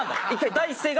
第一声が？